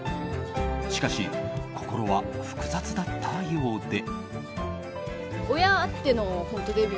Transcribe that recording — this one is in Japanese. しかし、心は複雑だったようで。